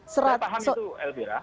saya paham itu elvira